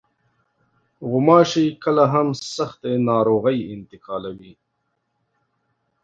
غوماشې کله هم سختې ناروغۍ انتقالوي.